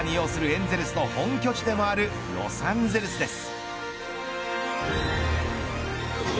エンゼルスの本拠地でもあるロサンゼルスです。